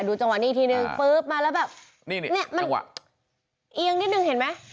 จังหวะนี้อีกทีนึงปุ๊บมาแล้วแบบนี่มันเอียงนิดนึงเห็นไหม